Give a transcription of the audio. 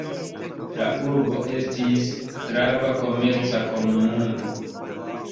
La urbo estis grava komerca komunumo.